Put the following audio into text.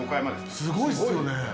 すごいっすよね。